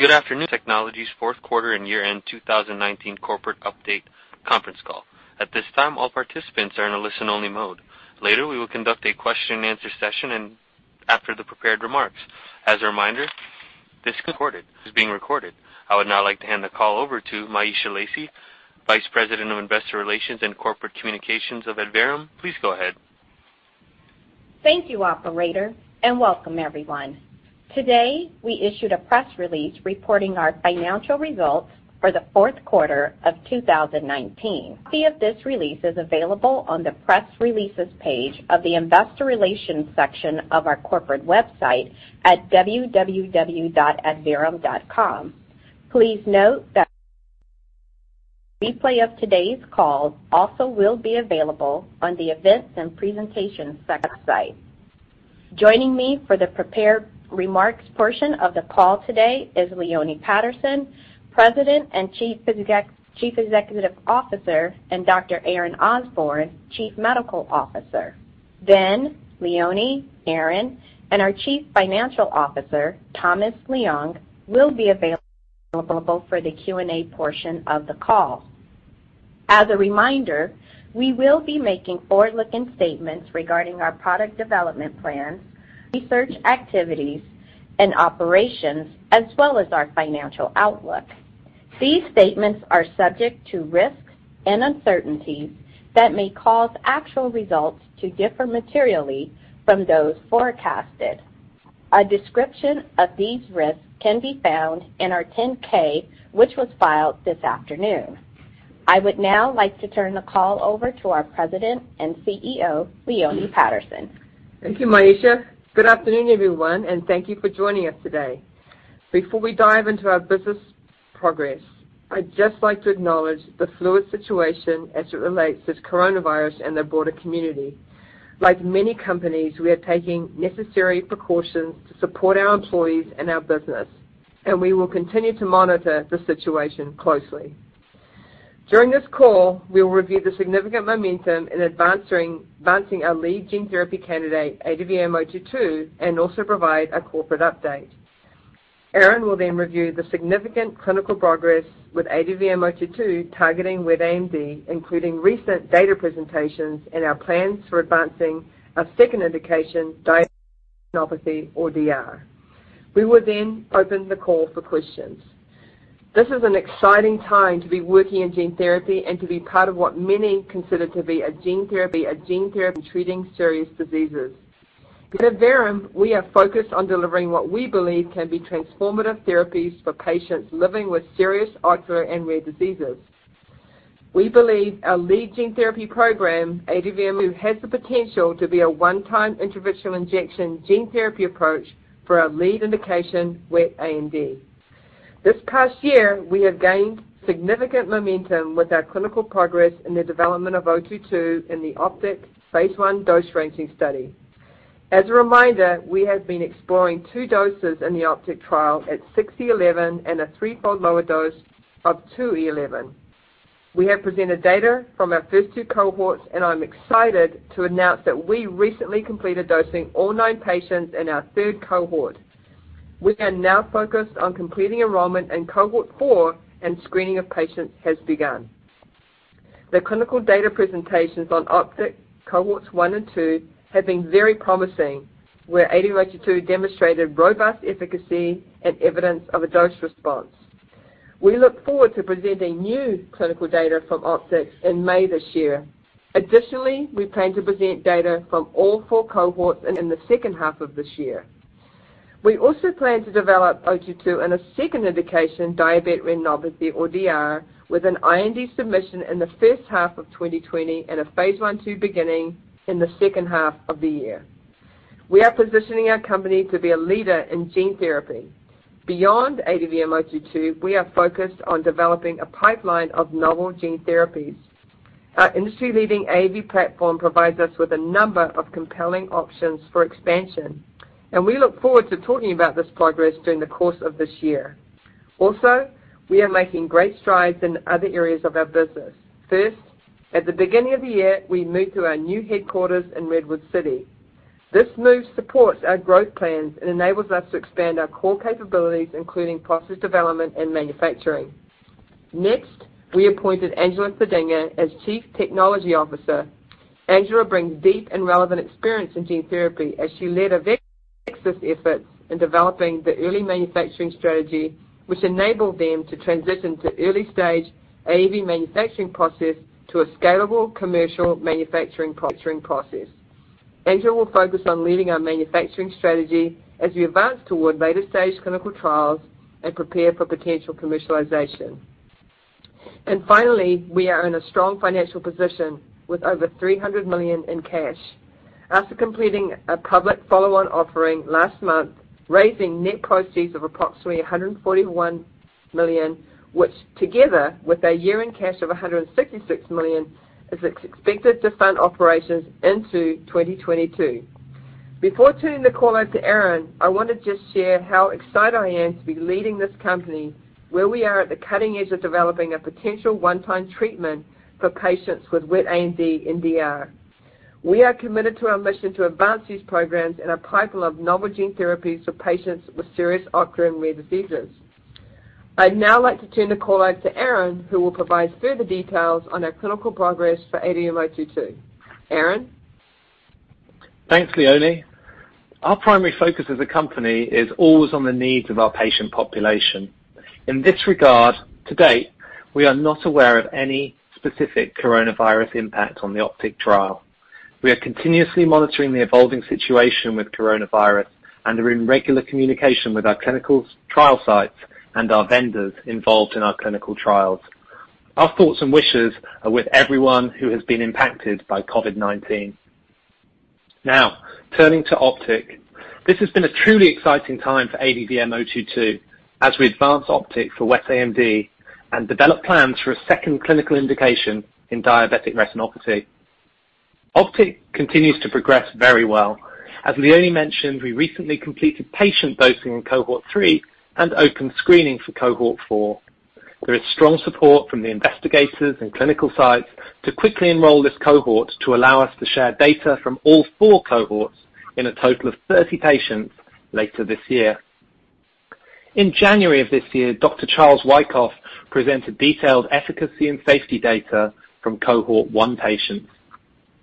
Good afternoon. Welcome to Adverum's fourth quarter and year-end 2019 corporate update conference call. At this time, all participants are in a listen-only mode. Later, we will conduct a question and answer session after the prepared remarks. As a reminder, this call is being recorded. I would now like to hand the call over to Myesha Lacy, Vice President of Investor Relations and Corporate Communications of Adverum. Please go ahead. Thank you, operator, and welcome everyone. Today, we issued a press release reporting our financial results for the fourth quarter of 2019. A copy of this release is available on the Press Releases page of the Investor Relations section of our corporate website at www.adverum.com. Please note that a replay of today's call also will be available on the Events and Presentations section of the site. Joining me for the prepared remarks portion of the call today is Leone Patterson, President and Chief Executive Officer, and Dr. Aaron Osborne, Chief Medical Officer. Then Leone, Aaron, and our Chief Financial Officer, Thomas Leung, will be available for the Q&A portion of the call. As a reminder, we will be making forward-looking statements regarding our product development plans, research activities, and operations, as well as our financial outlook. These statements are subject to risks and uncertainties that may cause actual results to differ materially from those forecasted. A description of these risks can be found in our 10-K, which was filed this afternoon. I would now like to turn the call over to our President and CEO, Leone Patterson. Thank you, Myesha. Good afternoon, everyone, and thank you for joining us today. Before we dive into our business progress, I'd just like to acknowledge the fluid situation as it relates to coronavirus and the broader community. Like many companies, we are taking necessary precautions to support our employees and our business, and we will continue to monitor the situation closely. During this call, we will review the significant momentum in advancing our lead gene therapy candidate, ADVM-022, and also provide a corporate update. Aaron will then review the significant clinical progress with ADVM-022 targeting wet AMD, including recent data presentations and our plans for advancing a second indication, diabetic retinopathy or DR. We will then open the call for questions. This is an exciting time to be working in gene therapy and to be part of what many consider to be a gene therapy for treating serious diseases. At Adverum, we are focused on delivering what we believe can be transformative therapies for patients living with serious ocular and rare diseases. We believe our lead gene therapy program, ADVM-022, has the potential to be a one-time intravitreal injection gene therapy approach for our lead indication, wet AMD. This past year, we have gained significant momentum with our clinical progress in the development of 022 in the OPTIC phase I dose ranging study. As a reminder, we have been exploring two doses in the OPTIC trial at 6E11 and a threefold lower dose of 2E11. I'm excited to announce that we recently completed dosing all nine patients in our third Cohort. We are now focused on completing enrollment in Cohort 4. Screening of patients has begun. The clinical data presentations on OPTIC Cohorts 1 and 2 have been very promising, where ADVM-022 demonstrated robust efficacy and evidence of a dose response. We look forward to presenting new clinical data from OPTIC in May this year. Additionally, we plan to present data from all four Cohorts in the second half of this year. We also plan to develop ADVM-022 in a second indication, diabetic retinopathy or DR, with an IND submission in the first half of 2020 and a phase I/II beginning in the second half of the year. We are positioning our company to be a leader in gene therapy. Beyond ADVM-022, we are focused on developing a pipeline of novel gene therapies. Our industry-leading AAV platform provides us with a number of compelling options for expansion, and we look forward to talking about this progress during the course of this year. We are making great strides in other areas of our business. At the beginning of the year, we moved to our new headquarters in Redwood City. This move supports our growth plans and enables us to expand our core capabilities, including process development and manufacturing. We appointed Angela Thedinga as Chief Technology Officer. Angela brings deep and relevant experience in gene therapy as she led AveXis efforts in developing the early manufacturing strategy, which enabled them to transition to early-stage AAV manufacturing process to a scalable commercial manufacturing process. Angela will focus on leading our manufacturing strategy as we advance toward later-stage clinical trials and prepare for potential commercialization. Finally, we are in a strong financial position with over $300 million in cash. After completing a public follow-on offering last month, raising net proceeds of approximately $141 million, which together with our year-end cash of $166 million, is expected to fund operations into 2022. Before turning the call over to Aaron, I want to just share how excited I am to be leading this company, where we are at the cutting edge of developing a potential one-time treatment for patients with wet AMD and DR. We are committed to our mission to advance these programs in our pipeline of novel gene therapies for patients with serious ocular and rare diseases. I'd now like to turn the call out to Aaron, who will provide further details on our clinical progress for ADVM-022. Aaron. Thanks, Leone. Our primary focus as a company is always on the needs of our patient population. In this regard, to date, we are not aware of any specific coronavirus impact on the OPTIC trial. We are continuously monitoring the evolving situation with coronavirus and are in regular communication with our clinical trial sites and our vendors involved in our clinical trials. Our thoughts and wishes are with everyone who has been impacted by COVID-19. Now, turning to OPTIC. This has been a truly exciting time for ADVM-022 as we advance OPTIC for wet AMD and develop plans for a second clinical indication in diabetic retinopathy. OPTIC continues to progress very well. As Leone mentioned, we recently completed patient dosing in Cohort 3 and opened screening for Cohort 4. There is strong support from the investigators and clinical sites to quickly enroll this Cohort to allow us to share data from all four Cohorts in a total of 30 patients later this year. In January of this year, Dr. Charles Wykoff presented detailed efficacy and safety data from Cohort 1 patients.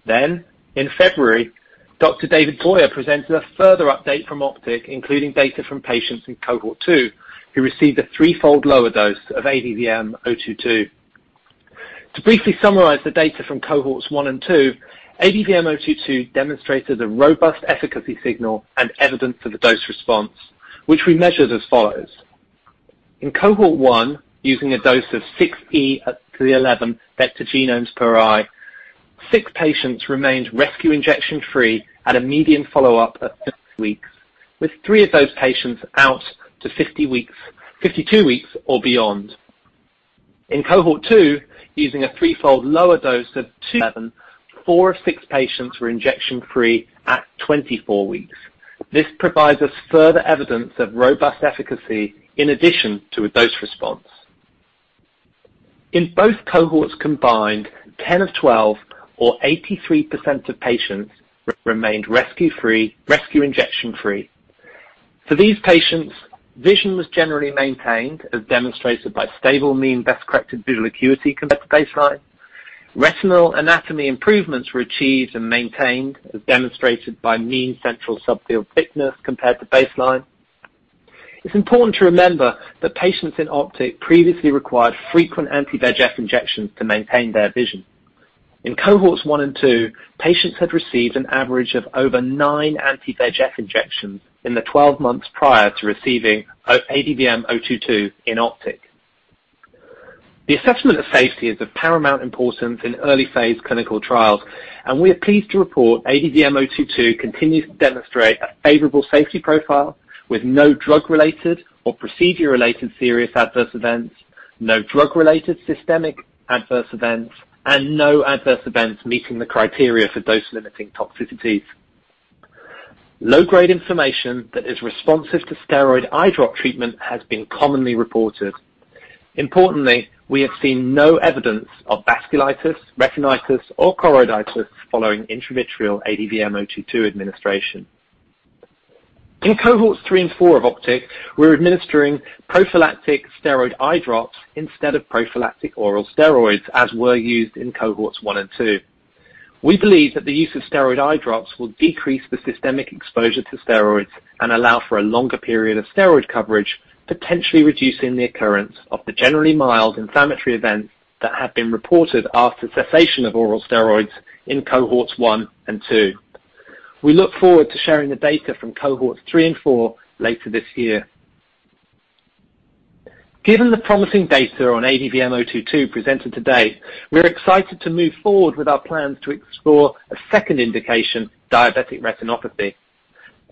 In February, Dr. David Boyer presented a further update from OPTIC, including data from patients in Cohort 2 who received a threefold lower dose of ADVM-022. To briefly summarize the data from Cohorts 1 and 2, ADVM-022 demonstrated a robust efficacy signal and evidence for the dose response, which we measured as follows. In Cohort 1, using a dose of 6E11 vector genomes per eye, six patients remained rescue injection free at a median follow-up of weeks, with three of those patients out to 52 weeks or beyond. In Cohort 2, using a threefold lower dose of 2E11, four of six patients were injection-free at 24 weeks. This provides us further evidence of robust efficacy in addition to a dose response. In both Cohorts combined, 10 of 12, or 83%, of patients remained rescue injection free. For these patients, vision was generally maintained, as demonstrated by stable mean best-corrected visual acuity compared to baseline. Retinal anatomy improvements were achieved and maintained, as demonstrated by mean central subfield thickness compared to baseline. It's important to remember that patients in OPTIC previously required frequent anti-VEGF injections to maintain their vision. In Cohorts 1 and 2, patients had received an average of over nine anti-VEGF injections in the 12 months prior to receiving ADVM-022 in OPTIC. The assessment of safety is of paramount importance in early-phase clinical trials, and we are pleased to report ADVM-022 continues to demonstrate a favorable safety profile with no drug-related or procedure-related serious adverse events, no drug-related systemic adverse events, and no adverse events meeting the criteria for dose-limiting toxicities. Low-grade inflammation that is responsive to steroid eye drop treatment has been commonly reported. Importantly, we have seen no evidence of vasculitis, retinitis, or choroiditis following intravitreal ADVM-022 administration. In Cohorts 3 and 4 of OPTIC, we're administering prophylactic steroid eye drops instead of prophylactic oral steroids, as were used in Cohorts 1 and 2. We believe that the use of steroid eye drops will decrease the systemic exposure to steroids and allow for a longer period of steroid coverage, potentially reducing the occurrence of the generally mild inflammatory events that have been reported after cessation of oral steroids in Cohorts 1 and 2. We look forward to sharing the data from Cohorts 3 and 4 later this year. Given the promising data on ADVM-022 presented today, we're excited to move forward with our plans to explore a second indication, diabetic retinopathy.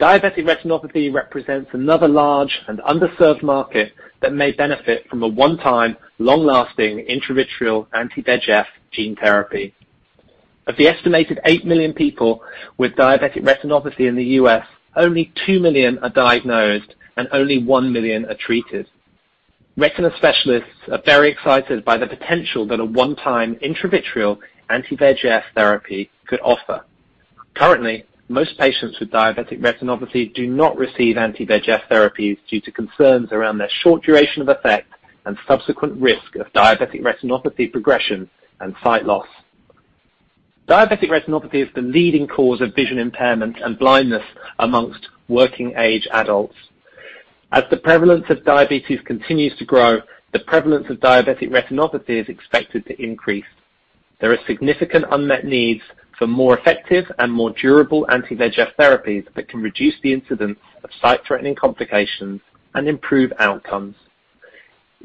Diabetic retinopathy represents another large and underserved market that may benefit from a one-time, long-lasting intravitreal anti-VEGF gene therapy. Of the estimated 8 million people with diabetic retinopathy in the U.S., only 2 million are diagnosed and only 1 million are treated. Retinal specialists are very excited by the potential that a one-time intravitreal anti-VEGF therapy could offer. Currently, most patients with diabetic retinopathy do not receive anti-VEGF therapies due to concerns around their short duration of effect and subsequent risk of diabetic retinopathy progression and sight loss. Diabetic retinopathy is the leading cause of vision impairment and blindness amongst working-age adults. As the prevalence of diabetes continues to grow, the prevalence of diabetic retinopathy is expected to increase. There are significant unmet needs for more effective and more durable anti-VEGF therapies that can reduce the incidence of sight-threatening complications and improve outcomes.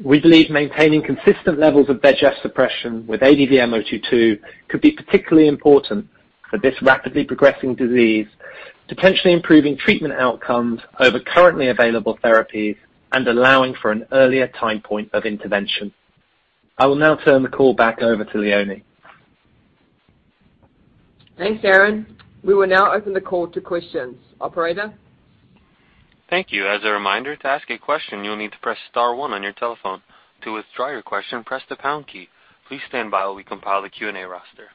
We believe maintaining consistent levels of VEGF suppression with ADVM-022 could be particularly important for this rapidly progressing disease, potentially improving treatment outcomes over currently available therapies and allowing for an earlier time point of intervention. I will now turn the call back over to Leone. Thanks, Aaron. We will now open the call to questions. Operator? Thank you. As a reminder, to ask a question, you'll need to press star one on your telephone. To withdraw your question, press the pound key. Please stand by while we compile the Q&A roster.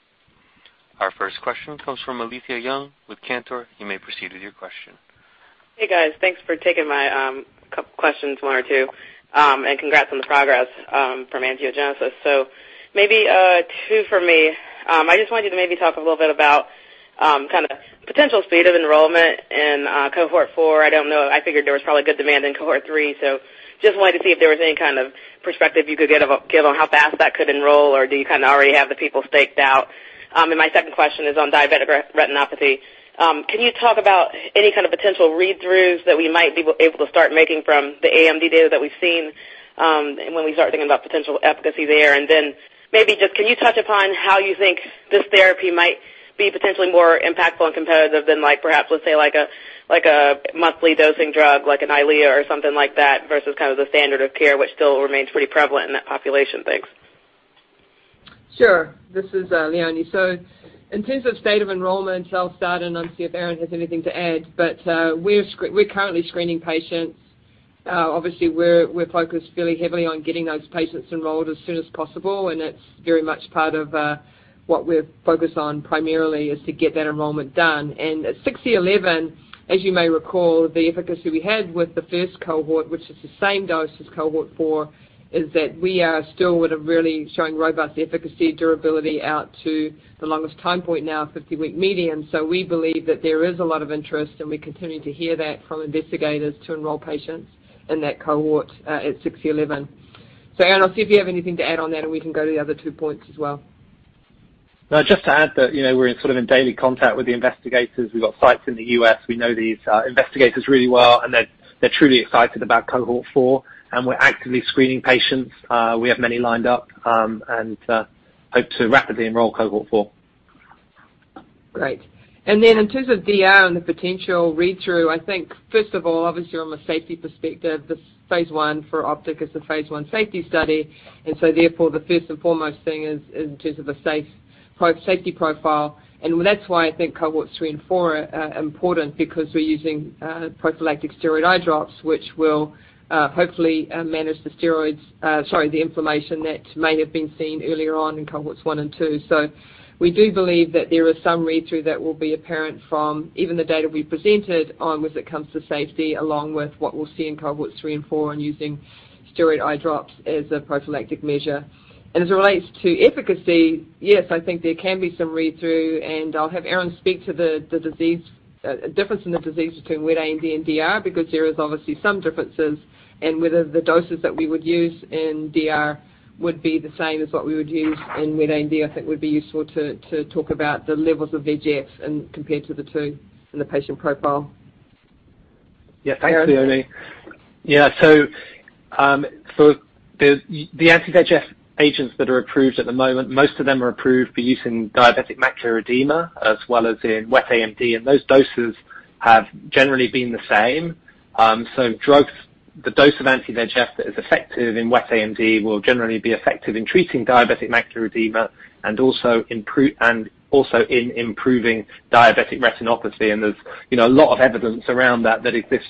Our first question comes from Alethia Young with Cantor. You may proceed with your question. Hey, guys. Thanks for taking my questions, one or two, Congrats on the progress from Angiogenesis. Maybe two from me. I just wanted you to maybe talk a little bit about potential speed of enrollment in Cohort 4. I don't know, I figured there was probably good demand in Cohort 3, just wanted to see if there was any kind of perspective you could give on how fast that could enroll, or do you already have the people staked out? My second question is on diabetic retinopathy. Can you talk about any kind of potential read-throughs that we might be able to start making from the AMD data that we've seen, and when we start thinking about potential efficacy there? Maybe just can you touch upon how you think this therapy might be potentially more impactful and competitive than perhaps, let's say, a monthly dosing drug, like an EYLEA or something like that, versus the standard of care, which still remains pretty prevalent in that population? Thanks. Sure. This is Leone. In terms of state of enrollment, I'll start, and then see if Aaron has anything to add. We're currently screening patients. Obviously, we're focused fairly heavily on getting those patients enrolled as soon as possible, and it's very much part of what we're focused on primarily is to get that enrollment done. At 6E11, as you may recall, the efficacy we had with the first Cohort, which is the same dose as Cohort 4, is that we are still would've really shown robust efficacy and durability out to the longest time point now, 50-week median. We believe that there is a lot of interest, and we continue to hear that from investigators to enroll patients in that Cohort, at 6E11. Aaron, I'll see if you have anything to add on that, and we can go to the other two points as well. No, just to add that we're in daily contact with the investigators. We've got sites in the U.S. We know these investigators really well, and they're truly excited about Cohort 4, and we're actively screening patients. We have many lined up, and hope to rapidly enroll Cohort 4. Great. In terms of DR and the potential read-through, I think first of all, obviously from a safety perspective, the phase I for OPTIC is the phase I safety study, so therefore the first and foremost thing is in terms of a safety profile. That's why I think Cohorts 3 and 4 are important because we're using prophylactic steroid eye drops, which will hopefully manage the inflammation that may have been seen earlier on in Cohorts 1 and 2. We do believe that there is some read-through that will be apparent from even the data we presented on as it comes to safety, along with what we'll see in Cohorts 3 and 4 on using steroid eye drops as a prophylactic measure. As it relates to efficacy, yes, I think there can be some read-through. I'll have Aaron speak to the difference in the disease between wet AMD and DR, because there is obviously some differences. Whether the doses that we would use in DR would be the same as what we would use in wet AMD, I think would be useful to talk about the levels of VEGFs and compared to the two in the patient profile. Thanks, Leone. For the anti-VEGF agents that are approved at the moment, most of them are approved for use in diabetic macular edema as well as in wet AMD, those doses have generally been the same. The dose of anti-VEGF that is effective in wet AMD will generally be effective in treating diabetic macular edema and also in improving diabetic retinopathy, there's a lot of evidence around that that exists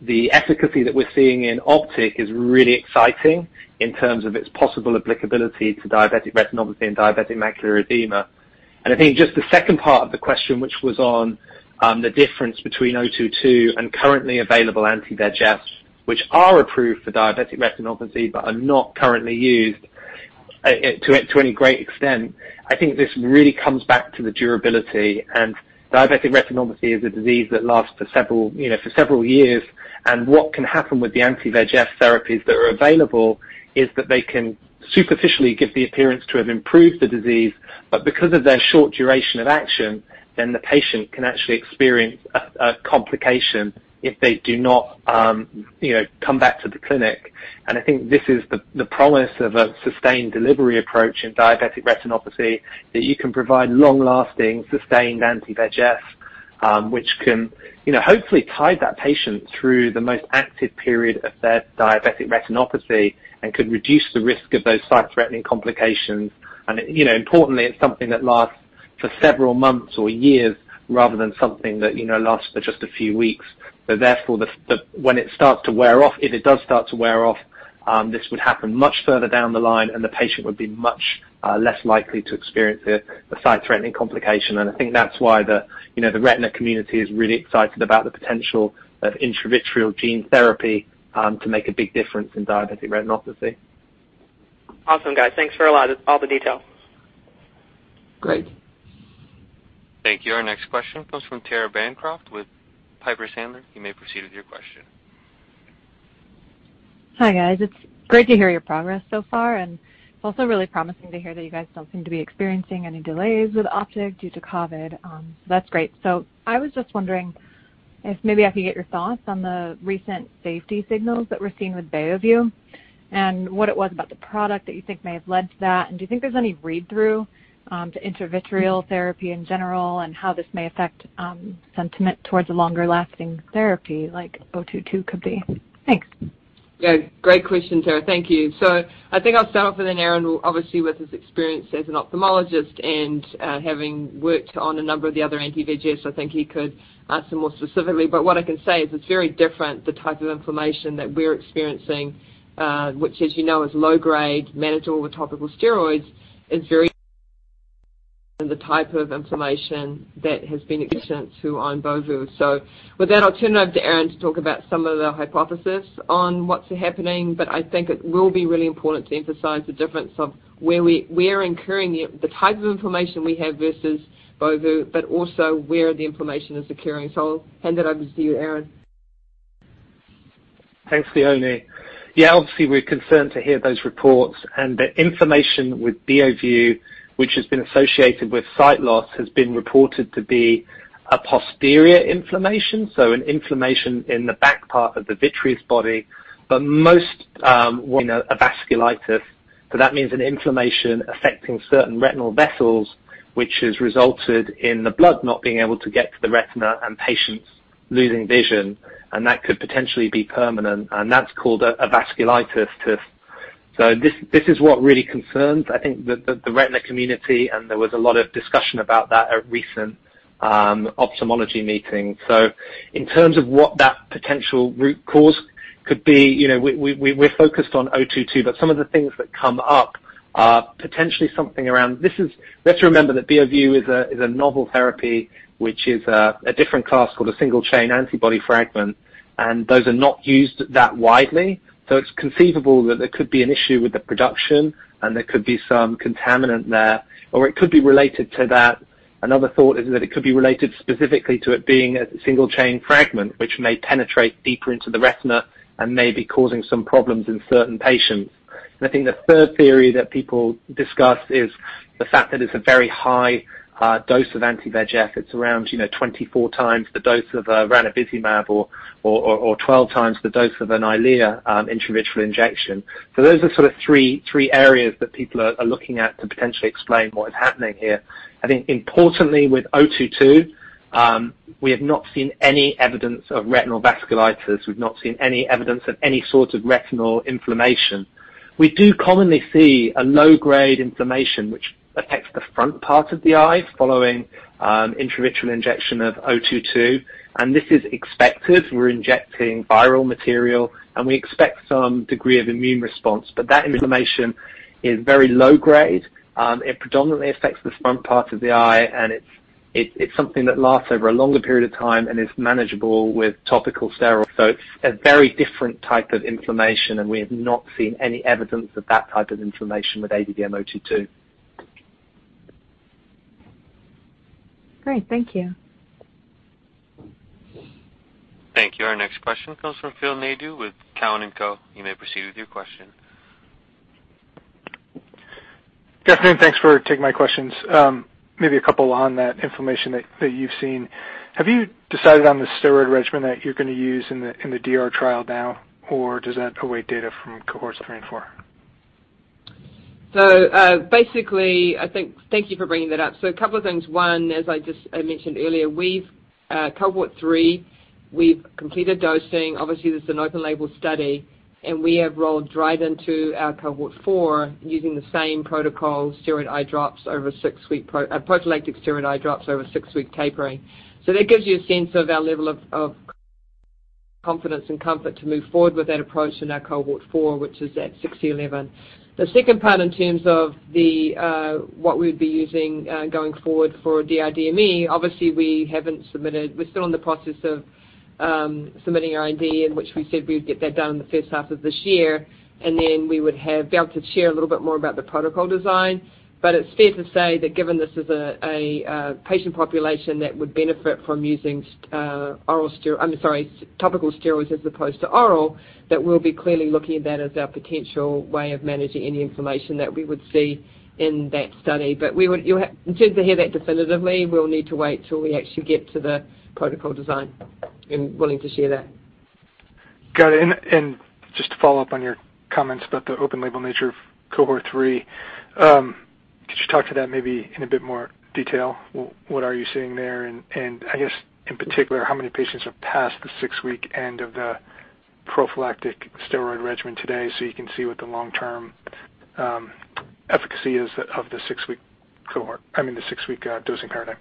already. The efficacy that we're seeing in OPTIC is really exciting in terms of its possible applicability to diabetic retinopathy and diabetic macular edema. I think just the second part of the question, which was on the difference between ADVM-022 and currently available anti-VEGF, which are approved for diabetic retinopathy but are not currently used to any great extent. I think this really comes back to the durability and diabetic retinopathy is a disease that lasts for several years. What can happen with the anti-VEGF therapies that are available is that they can superficially give the appearance to have improved the disease, but because of their short duration of action, the patient can actually experience a complication if they do not come back to the clinic. I think this is the promise of a sustained delivery approach in diabetic retinopathy, that you can provide long-lasting, sustained anti-VEGF, which can hopefully tide that patient through the most active period of their diabetic retinopathy and could reduce the risk of those sight-threatening complications. Importantly, it's something that lasts for several months or years rather than something that lasts for just a few weeks. Therefore, when it starts to wear off, if it does start to wear off, this would happen much further down the line and the patient would be much less likely to experience a sight-threatening complication. I think that's why the retina community is really excited about the potential of intravitreal gene therapy to make a big difference in diabetic retinopathy. Awesome, guys. Thanks for all the details. Great. Thank you. Our next question comes from Tara Bancroft with Piper Sandler. You may proceed with your question. Hi, guys. It's great to hear your progress so far, and it's also really promising to hear that you guys don't seem to be experiencing any delays with OPTIC due to COVID-19. That's great. I was just wondering if maybe I could get your thoughts on the recent safety signals that we're seeing with Beovu and what it was about the product that you think may have led to that. Do you think there's any read-through, to intravitreal therapy in general and how this may affect sentiment towards a longer-lasting therapy like 022 could be? Thanks. Yeah, great question, Tara. Thank you. I think I'll start off and then Aaron, obviously, with his experience as an ophthalmologist and having worked on a number of the other anti-VEGFs, I think he could answer more specifically. What I can say is it's very different, the type of inflammation that we're experiencing, which as you know is low-grade, manageable with topical steroids, is very than the type of inflammation that has been evident to on Beovu. With that, I'll turn over to Aaron to talk about some of the hypothesis on what's happening. I think it will be really important to emphasize the difference of where we are incurring the type of inflammation we have versus Beovu, but also where the inflammation is occurring. I'll hand it over to you, Aaron. Thanks, Leone. Yeah, obviously, we're concerned to hear those reports and the inflammation with Beovu, which has been associated with sight loss, has been reported to be a posterior inflammation, so an inflammation in the back part of the vitreous body. Most, a vasculitis, so that means an inflammation affecting certain retinal vessels, which has resulted in the blood not being able to get to the retina and patients losing vision, and that could potentially be permanent, and that's called a vasculitis. This is what really concerns, I think, the retina community, and there was a lot of discussion about that at recent ophthalmology meetings. In terms of what that potential root cause could be, we're focused on ADVM-022, but some of the things that come up are potentially. Let's remember that Beovu is a novel therapy, which is a different class called a single-chain antibody fragment, and those are not used that widely. It's conceivable that there could be an issue with the production and there could be some contaminant there, or it could be related to that. Another thought is that it could be related specifically to it being a single-chain fragment, which may penetrate deeper into the retina and may be causing some problems in certain patients. I think the third theory that people discuss is the fact that it's a very high dose of anti-VEGF. It's around 24 times the dose of ranibizumab or 12 times the dose of an EYLEA intravitreal injection. Those are sort of three areas that people are looking at to potentially explain what is happening here. I think importantly with ADVM-022, we have not seen any evidence of retinal vasculitis. We've not seen any evidence of any sort of retinal inflammation. We do commonly see a low-grade inflammation, which affects the front part of the eye following intravitreal injection of ADVM-022, and this is expected. We're injecting viral material, and we expect some degree of immune response. That inflammation is very low-grade. It predominantly affects the front part of the eye, and it's something that lasts over a longer period of time and is manageable with topical steroids. It's a very different type of inflammation, and we have not seen any evidence of that type of inflammation with ADVM-022. Great. Thank you. Thank you. Our next question comes from Phil Nadeau with Cowen and Company. You may proceed with your question. Good afternoon. Thanks for taking my questions. Maybe a couple on that inflammation that you've seen. Have you decided on the steroid regimen that you're going to use in the DR trial now, or does that await data from Cohorts 3 and 4? Basically, thank you for bringing that up. A couple of things. One, as I mentioned earlier, Cohort 3, we've completed dosing. Obviously, this is an open label study, and we have rolled right into our Cohort 4 using the same protocol, prophylactic steroid eye drops over six-week tapering. That gives you a sense of our level of confidence and comfort to move forward with that approach in our Cohort 4, which is at 6E11. The second part in terms of what we'd be using going forward for DR/DME, obviously we're still in the process of submitting our IND, in which we said we'd get that done in the first half of this year, and then we would have been able to share a little bit more about the protocol design. It's fair to say that given this is a patient population that would benefit from using topical steroids as opposed to oral, that we'll be clearly looking at that as our potential way of managing any inflammation that we would see in that study. In terms of hear that definitively, we'll need to wait till we actually get to the protocol design and willing to share that. Got it. Just to follow up on your comments about the open label nature of Cohort 3, could you talk to that maybe in a bit more detail? What are you seeing there? I guess in particular, how many patients have passed the six-week end of the prophylactic steroid regimen today so you can see what the long-term efficacy is of the six-week dosing paradigm?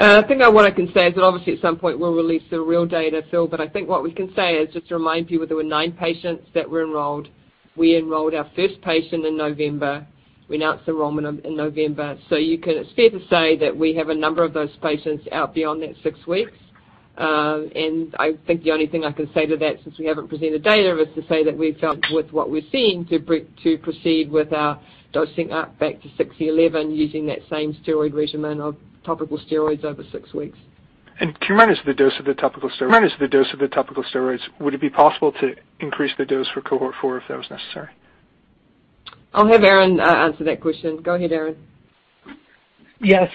I think what I can say is that obviously at some point we'll release the real data, Phil. I think what we can say is, just to remind people, there were nine patients that were enrolled. We enrolled our first patient in November. We announced enrollment in November. It's fair to say that we have a number of those patients out beyond that six weeks. I think the only thing I can say to that, since we haven't presented data, is to say that we felt with what we're seeing to proceed with our dosing up back to 6E11 using that same steroid regimen of topical steroids over six weeks. Can you manage the dose of the topical steroids? Would it be possible to increase the dose for Cohort 4 if that was necessary? I'll have Aaron answer that question. Go ahead, Aaron. Yes.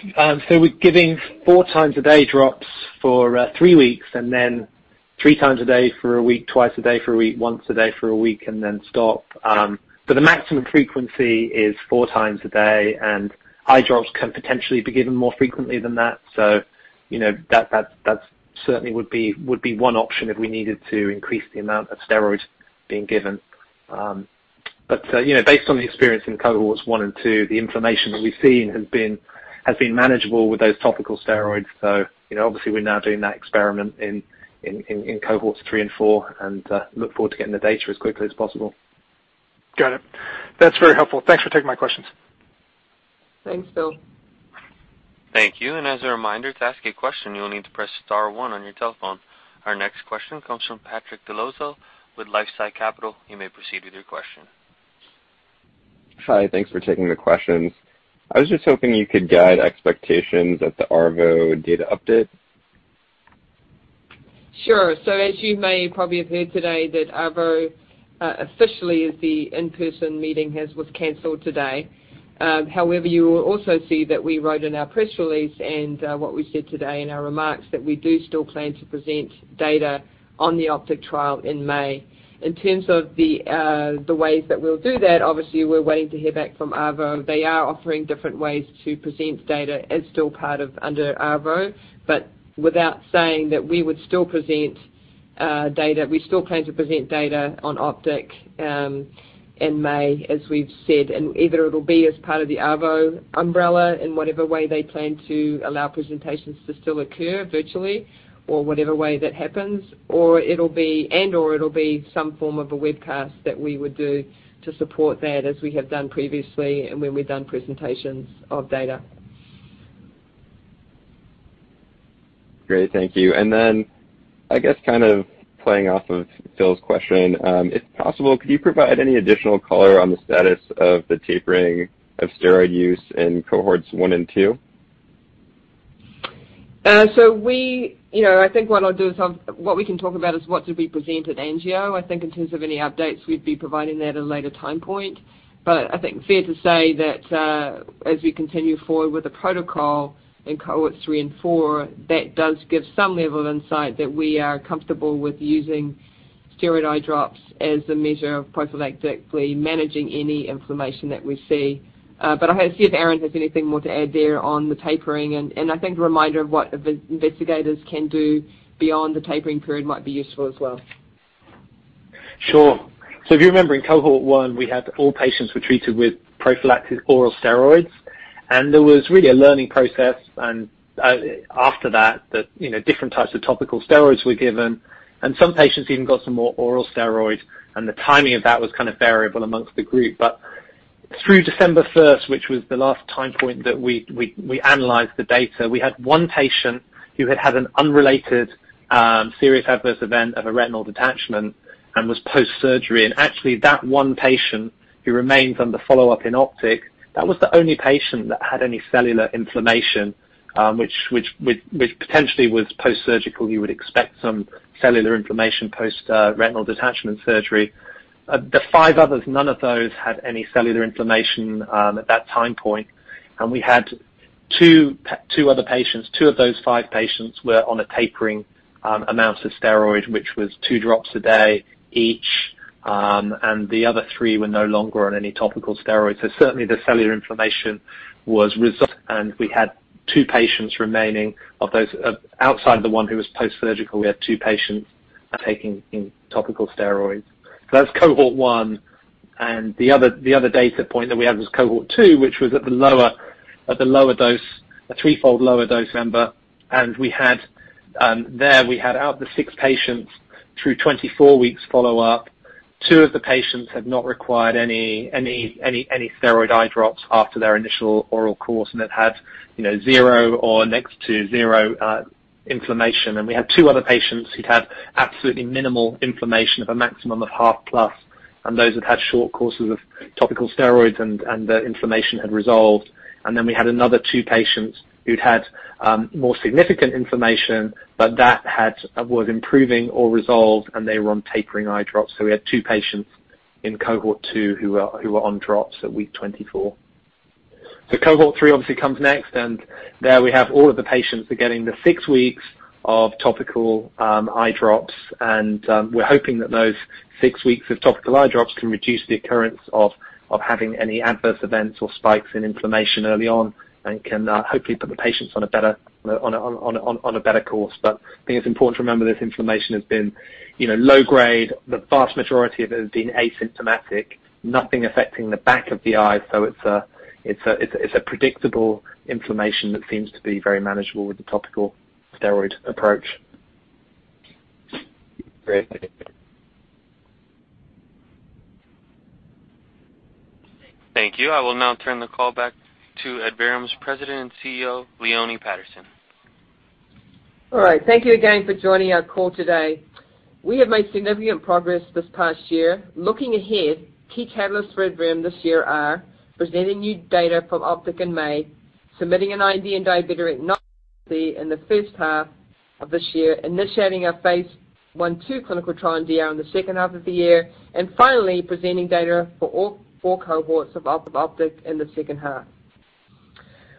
We're giving four times a day drops for three weeks, and then three times a day for a week, twice a day for a week, once a day for a week, and then stop. The maximum frequency is four times a day, and eye drops can potentially be given more frequently than that. That certainly would be one option if we needed to increase the amount of steroids being given. Based on the experience in Cohorts 1 and 2, the inflammation that we've seen has been manageable with those topical steroids. Obviously we're now doing that experiment in Cohorts 3 and 4, and look forward to getting the data as quickly as possible. Got it. That's very helpful. Thanks for taking my questions. Thanks, Phil. Thank you. As a reminder, to ask a question, you will need to press star one on your telephone. Our next question comes from Patrick Dolezal with LifeSci Capital. You may proceed with your question. Hi. Thanks for taking the questions. I was just hoping you could guide expectations at the ARVO data update. Sure. As you may probably have heard today that ARVO officially the in-person meeting was canceled today. You will also see that we wrote in our press release and what we said today in our remarks that we do still plan to present data on the OPTIC trial in May. In terms of the ways that we'll do that, obviously, we're waiting to hear back from ARVO. They are offering different ways to present data as still part of under ARVO. Without saying that we would still present data, we still plan to present data on OPTIC, in May, as we've said, and either it'll be as part of the ARVO umbrella in whatever way they plan to allow presentations to still occur virtually or whatever way that happens. It'll be and/or it'll be some form of a webcast that we would do to support that as we have done previously and when we've done presentations of data. Great. Thank you. Then I guess kind of playing off of Phil's question, if possible, could you provide any additional color on the status of the tapering of steroid use in Cohorts 1 and 2? I think what we can talk about is what did we present at Angio. I think in terms of any updates, we'd be providing that at a later time point. I think fair to say that, as we continue forward with the protocol in Cohorts 3 and 4, that does give some level of insight that we are comfortable with using steroid eye drops as a measure of prophylactically managing any inflammation that we see. I'll see if Aaron has anything more to add there on the tapering. I think a reminder of what investigators can do beyond the tapering period might be useful as well. Sure. If you remember, in Cohort 1, we had all patients were treated with prophylactic oral steroids, and there was really a learning process. After that, different types of topical steroids were given, and some patients even got some more oral steroids, and the timing of that was kind of variable amongst the group. Through December 1st, which was the last time point that we analyzed the data, we had one patient who had had an unrelated serious adverse event of a retinal detachment and was post-surgery. Actually, that one patient who remains under follow-up in OPTIC, that was the only patient that had any cellular inflammation, which potentially was post-surgical. You would expect some cellular inflammation post retinal detachment surgery. The five others, none of those had any cellular inflammation at that time point. We had two other patients, two of those five patients were on a tapering amount of steroid, which was two drops a day each. The other three were no longer on any topical steroids. Certainly, the cellular inflammation was resolved, and we had two patients remaining of those, outside the one who was post-surgical, we had two patients taking topical steroids. That's Cohort 1. The other data point that we had was Cohort 2, which was at the threefold lower dose in December. There we had out the six patients through 24 weeks follow-up. Two of the patients had not required any steroid eye drops after their initial oral course and have had zero or next to zero inflammation. We had two other patients who'd had absolutely minimal inflammation of a maximum of half-plus, and those had had short courses of topical steroids, and their inflammation had resolved. We had another two patients who'd had more significant inflammation, but that was improving or resolved, and they were on tapering eye drops. We had two patients in Cohort 2 who were on drops at week 24. Cohort 3 obviously comes next, and there we have all of the patients are getting the six weeks of topical eye drops. We're hoping that those six weeks of topical eye drops can reduce the occurrence of having any adverse events or spikes in inflammation early on and can hopefully put the patients on a better course. I think it's important to remember this inflammation has been low grade. The vast majority of it has been asymptomatic, nothing affecting the back of the eye. It's a predictable inflammation that seems to be very manageable with the topical steroid approach. Great. Thank you. Thank you. I will now turn the call back to Adverum's President and CEO, Leone Patterson. Thank you again for joining our call today. We have made significant progress this past year. Looking ahead, key catalysts for Adverum this year are presenting new data from OPTIC in May, submitting an IND in DR in the first half of this year, initiating our phase I/II clinical trial in DR in the second half of the year, finally presenting data for all four Cohorts of OPTIC in the second half.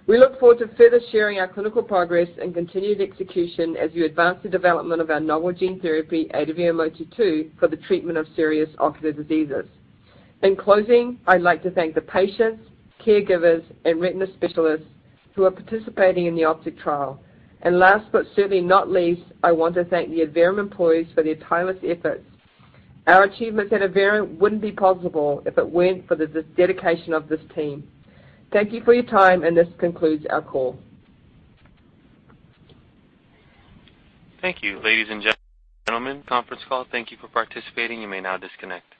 We look forward to further sharing our clinical progress and continued execution as we advance the development of our novel gene therapy, ADVM-022, for the treatment of serious ocular diseases. In closing, I'd like to thank the patients, caregivers, and retina specialists who are participating in the OPTIC trial. Last, but certainly not least, I want to thank the Adverum employees for their tireless efforts. Our achievements at Adverum wouldn't be possible if it weren't for the dedication of this team. Thank you for your time, and this concludes our call. Thank you. Ladies and gentlemen, your conference call, thank you for participating. You may now disconnect.